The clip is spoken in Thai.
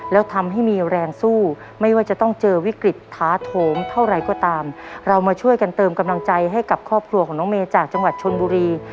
แล้วทำให้มีแรงสู้ไม่ว่าจะต้องเจอวิกฤตท้าโถมเท่าไหร่ก็ตามเรามาช่วยกันเติมกำลังใจให้กับครอบครัวของน้องเมย์จากจังหวัดชนบุรี